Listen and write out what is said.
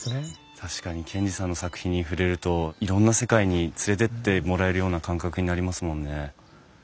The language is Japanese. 確かに賢治さんの作品に触れるといろんな世界に連れてってもらえるような感覚になりますもんね。